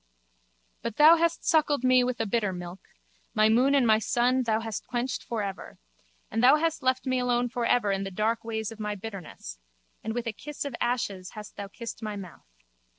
But thou hast suckled me with a bitter milk: my moon and my sun thou hast quenched for ever. And thou hast left me alone for ever in the dark ways of my bitterness: and with a kiss of ashes hast thou kissed my mouth.